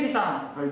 はい。